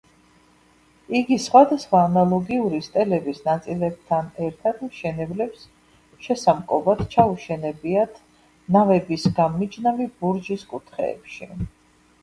იგი სხვადასხვა ანალოგიური სტელების ნაწილებთან ერთად მშენებლებს შესამკობად ჩაუშენებიათ ნავების გამმიჯნავი ბურჯის კუთხეებში.